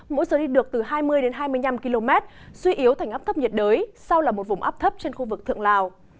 mỗi giờ đi được từ hai mươi đến hai mươi năm km suy yếu thành áp thấp nhiệt đới sau là một vùng áp thấp trên khu vực thượng lào